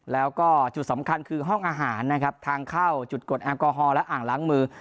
แล้วก็จุดสำคัญคือห้องอาหารนะครับทางเข้าจุดกดแอลกอฮอล์และอ่างล้างมือ